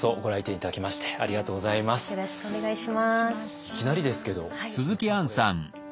いきなりですけど鈴木さんこれ。